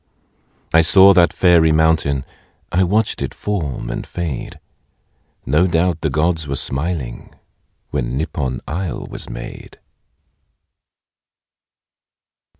I saw that fairy mountain. ... I watched it form and fade. No doubt the gods were smiling, When Nippon isle was made.